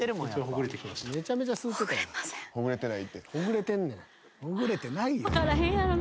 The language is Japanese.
ほぐれてないって。